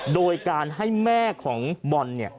โดยการให้แม่ของบอล